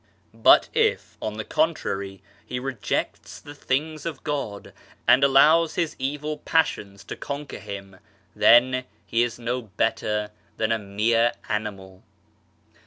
But if, on the contrary, he rejects the things of God, and allows his evil passions to conquer him, then is he no better than a mere animal.